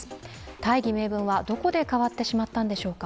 大義名分はどこで変わってしまったんでしょうか。